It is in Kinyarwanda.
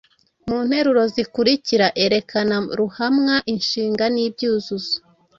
Mu nteruro zikurikira erekana ruhamwa, inshinga n’ibyuzuzo.